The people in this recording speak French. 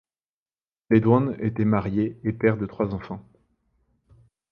Ledwoń était marié et père de trois enfants.